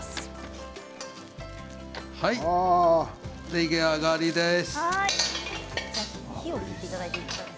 出来上がりです。